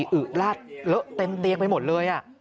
คือฉีอึดราเสร็ดเต็มเตียกไปหมดเลยอะ